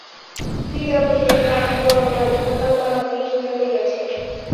পিতাপুত্রে গ্রামের পরকাল ইহকাল ভাগাভাগি করিয়া লইয়াছে।